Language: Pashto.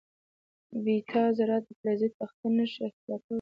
د بیټا ذرات فلزي تخته نه شي اختراق کولای.